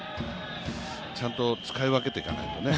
ちゃんと使い分けていかないとね。